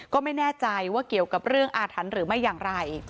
ก็ไม่แน่ใจว่าเกี่ยวกับเรื่องอาถรรพ์หรือไม่อย่างไร